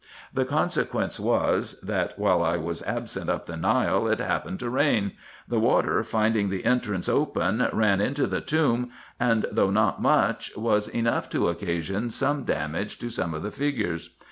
The consequence was, that while I was absent up the Nile it happened to rain ; the water, finding the entrance IN EGYPT, NUBIA, &c. 371 open, ran into the tomb, and though not much, was enough to occasion some damage to some of the figures.